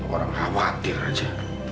orang khawatir aja